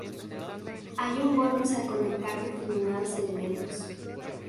Hay un bonus al conectar determinados elementos.